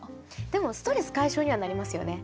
でもストレス解消にはなりますよね。